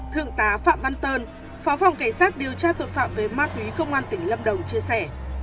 thượng tá phạm văn tơn phó phòng cảnh sát điều tra tội phạm về ma túy công an tỉnh lâm đồng chia sẻ